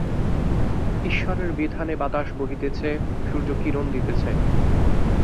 ঈশ্বরের বিধানে বাতাস বহিতেছে, সূর্য কিরণ দিতেছে।